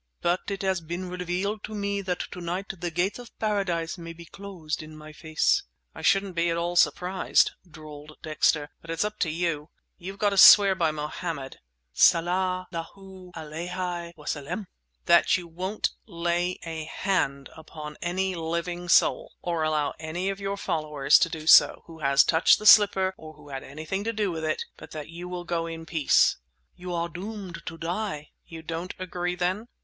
But it has been revealed to me that to night the gates of Paradise may be closed in my face." "I shouldn't be at all surprised," drawled Dexter. "But it's up to you. You've got to swear by Mohammed—" "Salla 'llahu 'aleyhi wasellem!" "That you won't lay a hand upon any living soul, or allow any of your followers to do so, who has touched the slipper or had anything to do with it, but that you will go in peace." "You are doomed to die!" "You don't agree, then?"